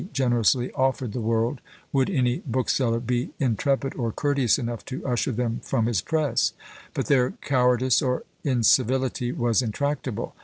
All these, and many such as these, he generously offered the world, would any bookseller be intrepid or courteous enough to usher them from his press; but their cowardice or incivility was intractable.